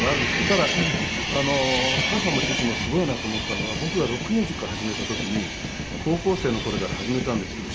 ただ母も父もすごいなと思ったのは僕がロックミュージックを始めた時に高校生の頃から始めたんですけど。